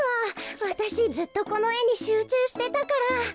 わたしずっとこのえにしゅうちゅうしてたから。